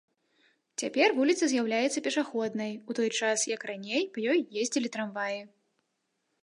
Цяпер вуліца з'яўляецца пешаходнай, у той час як раней па ёй ездзілі трамваі.